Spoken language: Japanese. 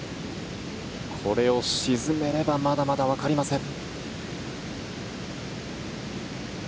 これを沈めればまだまだわかりません。